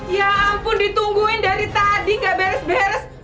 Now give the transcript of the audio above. ya ampun ditungguin dari tadi gak beres beres